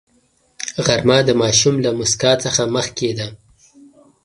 غرمه د ماشوم له موسکا څخه مخکې ده